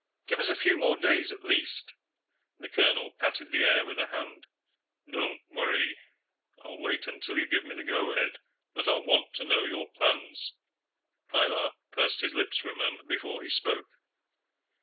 Give us a few more days at least." The colonel patted the air with a hand. "Don't worry. I'll wait until you give me the go ahead. But I'll want to know your plans." Pilar pursed his lips for a moment before he spoke.